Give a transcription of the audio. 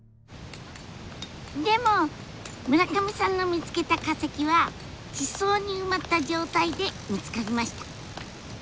でも村上さんの見つけた化石は地層に埋まった状態で見つかりました。